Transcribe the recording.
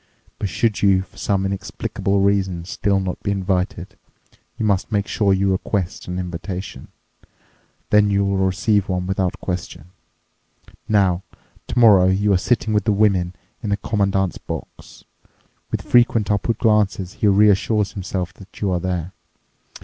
But should you for some inexplicable reason still not be invited, you must make sure you request an invitation. Then you'll receive one without question. Now, tomorrow you are sitting with the women in the commandant's box. With frequent upward glances he reassures himself that you are there.